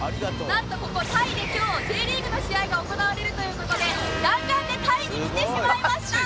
なんとここタイで今日Ｊリーグの試合が行われるという事で弾丸でタイに来てしまいました！